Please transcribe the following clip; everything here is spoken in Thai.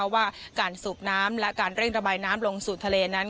ว่าการสูบน้ำและการเร่งระบายน้ำลงสู่ทะเลนั้น